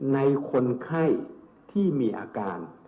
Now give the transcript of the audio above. ในคนไข้ที่มีอาการ